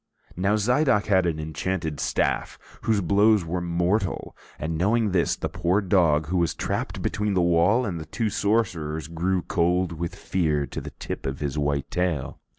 Now Zidoc had an enchanted staff whose blows were mortal, and knowing this, the poor dog, who was trapped between the wall and the two sorcerers, grew cold with fear to the tip of his white tail.